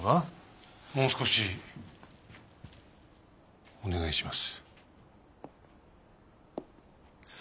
もう少しお願いします。